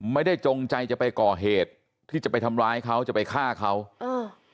จงใจจะไปก่อเหตุที่จะไปทำร้ายเขาจะไปฆ่าเขาอ่า